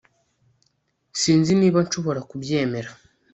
Sinzi niba nshobora kubyemera